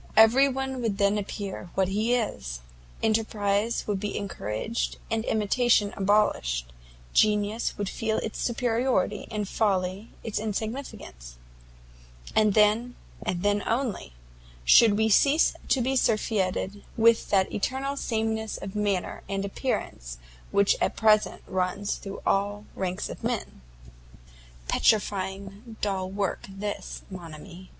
Every one would then appear what he is; enterprize would be encouraged, and imitation abolished; genius would feel its superiority, and folly its insignificance; and then, and then only, should we cease to be surfeited with that eternal sameness of manner and appearance which at present runs through all ranks of men." "Petrifying dull work this, _mon ami!